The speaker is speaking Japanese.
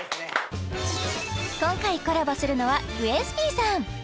今回コラボするのはウエスＰさん